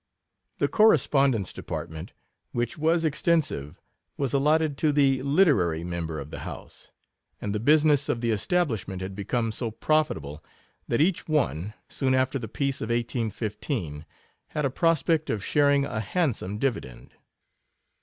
The correspondence department, which was extensive, was allot ted to the literary member of the house; and the business of the establishment had become so profitable, that each one, soon after the peace of 1815, had a prospect of sharing a handsome dividend.